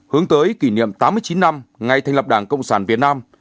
hướng tới kỷ niệm tám mươi chín năm ngày thành lập đảng cộng sản việt nam